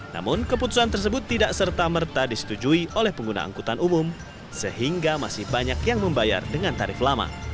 namun keputusan tersebut tidak serta merta disetujui oleh pengguna angkutan umum sehingga masih banyak yang membayar dengan tarif lama